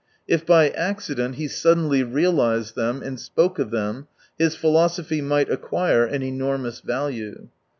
If by accident he suddenly realised them and spoke of them his philosophy might acquire an enormous value.